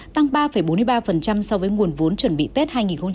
tăng ba bốn mươi ba so với nguồn vốn chuẩn bị tết hai nghìn hai mươi